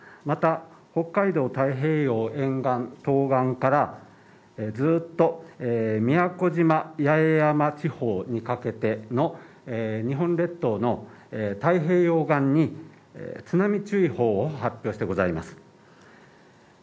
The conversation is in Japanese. また、北海道太平洋沿岸、東岸からずっと宮古島・八重山地方にかけての日本列島の太平洋岸に津波注意報を発表してございます。